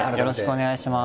お願いします。